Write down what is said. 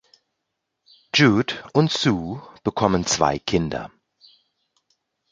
Jude und Sue bekommen zwei Kinder.